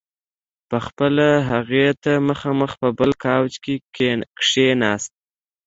په خپله هغې ته مخامخ په بل کاوچ کې کښېناست.